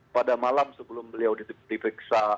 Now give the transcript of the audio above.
pada malam sebelum beliau dipiksa